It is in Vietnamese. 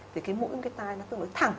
thì cái mũi cái tai nó tương đối thẳng